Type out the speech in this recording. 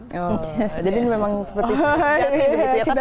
iya jadi ini memang seperti cinta sejati begitu ya